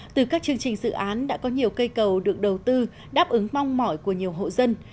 từ các chương trình dự án đã có nhiều cây cầu được đầu tư đáp ứng mong mỏi của nhiều hộ dân